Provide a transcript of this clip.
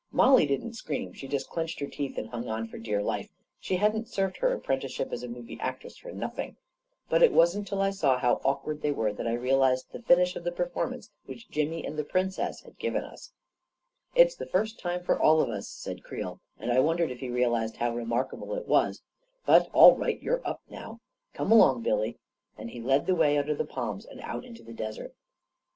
Mollie didn't scream ; she just clenched her teeth and hung on for dear life — she hadn't served her apprenticeship as a movie actress for nothing I But it wasn't till I saw how awkward they were that I realized the finish of the performance which Jimmy and the Princess had given us I " It's the first time for all of us," said Creel, and I wondered if he realized how remarkable it was; "but all right — you're up now! Come along, Billy," and he led the way under the palms and out into the desert.